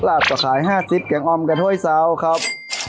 ล่ะจะขาย๕ซิปแกงอมกับถ้วยเสาร์ครับ